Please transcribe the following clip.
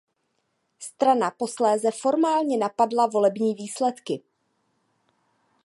Strana posléze formálně napadla volební výsledky.